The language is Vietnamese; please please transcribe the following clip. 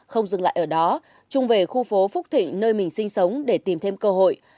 không dừng lại ở đó trung về khu phố phúc thịnh nơi mình sinh sống để tìm thêm cơ hội